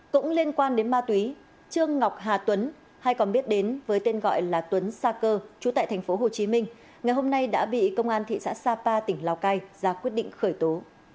cũng liên quan đến ma túy trương ngọc hà tuấn hay còn biết đến với tên gọi là tuấn sa cơ chú tại tp hcm ngày hôm nay đã bị công an thị xã sapa tỉnh lào cai ra quyết định khởi tố